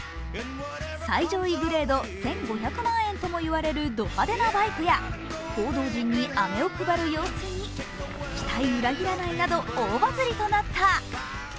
最上位グレード１５００万円とも言われるド派手なバイクや報道陣に飴を配る様子に、期待裏切らないなど大バズりとなった。